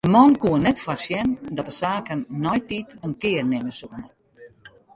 De man koe net foarsjen dat de saken neitiid in kear nimme soene.